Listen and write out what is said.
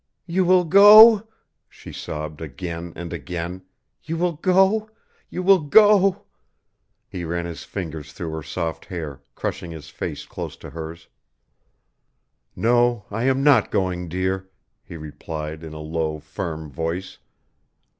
"You will go?" she sobbed again and again. "You will go you will go " He ran his fingers through her soft hair, crushing his face close to hers. "No, I am not going, dear," he replied in a low, firm voice.